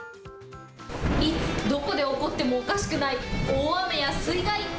いつどこで起こってもおかしくない大雨や水害。